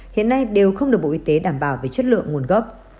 hiện nay đều không được bộ y tế đảm bảo về chất lượng nguồn gốc